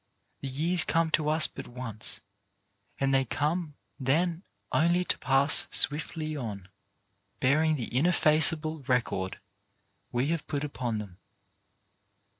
The years come to us but once, and they come then only to pass swiftly on, bear ing the ineffaceable record we have put upon them.